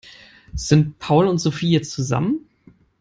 Sind Paul und Sophie jetzt zusammen?